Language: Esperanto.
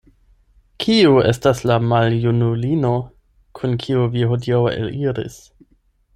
Kiu estas la maljunulino, kun kiu vi hodiaŭ eliris?